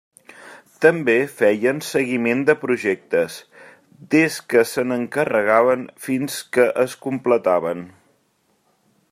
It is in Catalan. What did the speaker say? També feien seguiment de projectes, des que se n'encarregaven fins que es completaven.